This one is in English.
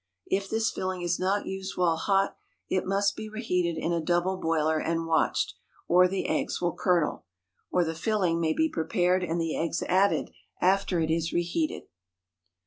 If this filling is not used while hot, it must be reheated in a double boiler and watched, or the eggs will curdle; or the filling may be prepared and the eggs added after it is reheated.